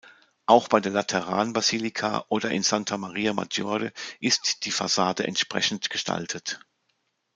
Auch bei der Lateranbasilika oder in Santa Maria Maggiore ist die Fassade entsprechend gestaltet.